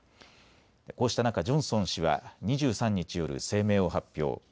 こうした中、ジョンソン氏は２３日夜、声明を発表。